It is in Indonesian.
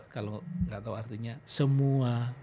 kalau nggak tahu artinya semua